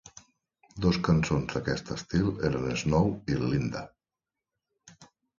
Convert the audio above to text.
Dos cançons d'aquest estil eren "Snow" i "Linda".